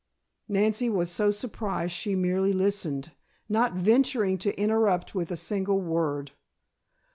Nancy was so surprised she merely listened, not venturing to interrupt with a single word.